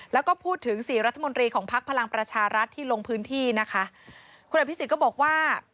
แล้วก็พูดถึงศรีรัฐมนตรีของพักพลังประชารัฐที่ลงพื้นที่นะคะ